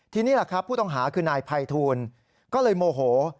ทีนี้ผู้ต้องหาคือนายไพทูลก็เลยโมโห